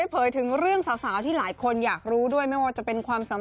เพื่อคนอื่นเนี่ยคุณเกรดเรียกชื่อนะ